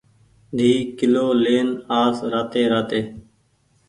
ۮي ڪلو لين آس راتي راتي